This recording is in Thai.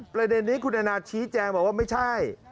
ประเด็นนี้คุณแอนนาชี้แจงบอกว่าไม่ใช่